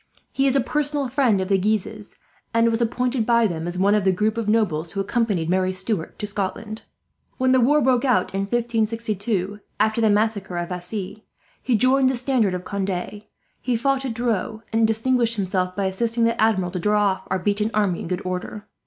He is a personal friend of the Guises, and was appointed by them as one of the group of nobles who accompanied Marie Stuart to Scotland. "When the war broke out in 1562, after the massacre of Vassy, he joined the standard of Conde. He fought at Dreux, and distinguished himself by assisting the Admiral to draw off our beaten army in good order.